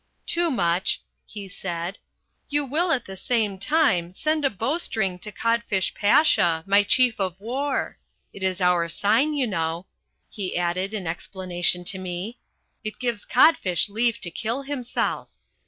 "Toomuch," he said, "you will at the same time send a bowstring to Codfish Pasha, my Chief of War. It is our sign, you know," he added in explanation to me "it gives Codfish leave to kill himself.